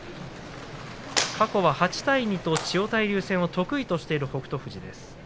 過去は８対２と千代大龍戦は得意としている北勝富士です。